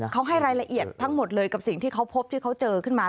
เขาให้รายละเอียดทั้งหมดเลยกับสิ่งที่เขาพบที่เขาเจอขึ้นมา